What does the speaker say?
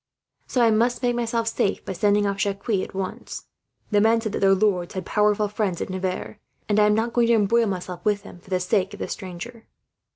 So I must make myself safe by sending off Jacques, at once. The men said that their lords had powerful friends at Nevers, and I am not going to embroil myself with them, for the sake of a stranger.'